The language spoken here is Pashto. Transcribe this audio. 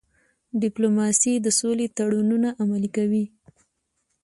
ډيپلوماسي د سولې تړونونه عملي کوي.